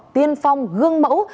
tiên phong gương mẫu